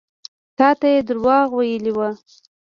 تا ته يې دروغ ويلي وو.